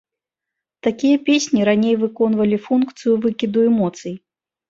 Такія песні раней выконвалі функцыю выкіду эмоцый.